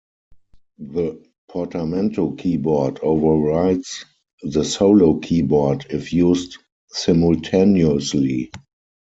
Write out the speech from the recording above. The Portamento keyboard overrides the solo keyboard if used simultaneously.